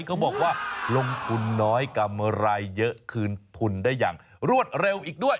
เขาบอกว่าลงทุนน้อยกำไรเยอะคืนทุนได้อย่างรวดเร็วอีกด้วย